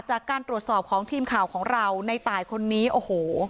จากการตรวจสอบของทีมข่าวของเราในตายคนนี้โอ้โห